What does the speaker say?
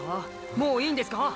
もういいんですか？